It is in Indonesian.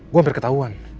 gue hampir ketauan